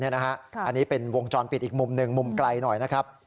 อันนี้เป็นวงจรปิดอีกมุมหนึ่งมุมไกลหน่อยนะครับ